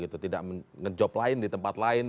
tidak mengejob lain di tempat lain